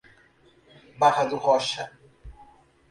Barra do Rocha